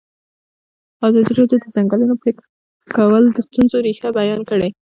ازادي راډیو د د ځنګلونو پرېکول د ستونزو رېښه بیان کړې.